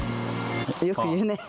よく言うね。